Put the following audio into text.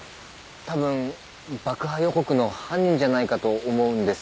たぶん爆破予告の犯人じゃないかと思うんですけど。